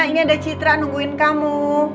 ini ada citra nungguin kamu